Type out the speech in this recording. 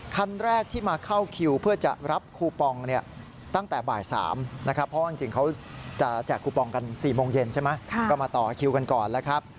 คันแรกที่มาเข้าคิวเพื่อจะรับคูปองตั้งแต่บ่าย๓นะครับ